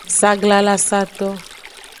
Saglalasato.